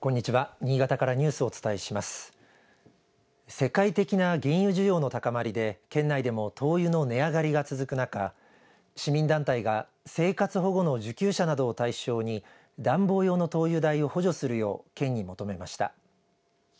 世界的な原油需要の高まりで県内でも灯油の値上がりが続く中市民団体が、生活保護の受給者などを対象に暖房用の灯油代を補助するよう県に求めました。